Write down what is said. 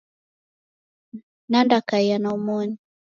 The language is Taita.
Nadakaiya na omoni